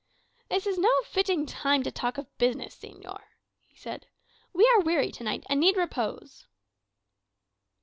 "This is no fitting time to talk of business, señor," he said. "We are weary to night, and need repose."